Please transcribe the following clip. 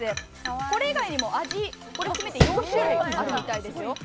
これ以外にも味これを含めて４種類あるみたいですよ。